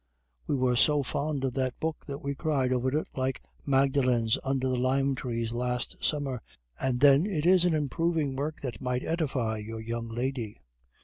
We were so fond of that book that we cried over it like Magdalens under the line trees last summer, and then it is an improving work that might edify your young lady."